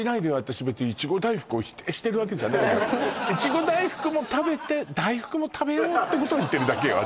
私別にいちご大福を否定してるわけじゃないのよいちご大福も食べて大福も食べようってことを言ってるだけよ